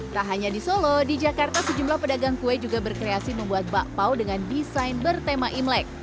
tak hanya di solo di jakarta sejumlah pedagang kue juga berkreasi membuat bakpao dengan desain bertema imlek